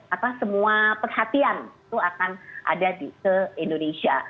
apa semua perhatian itu akan ada di indonesia